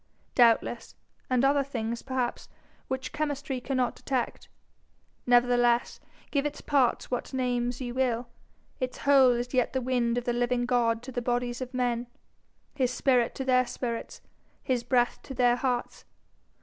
Doubtless and other things, perhaps, which chemistry cannot detect. Nevertheless, give its parts what names you will, its whole is yet the wind of the living God to the bodies of men, his spirit to their spirits, his breath to their hearts.